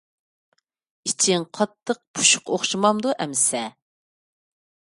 ئىچىڭ قاتتىق پۇشۇق ئوخشىمامدۇ ئەمىسە.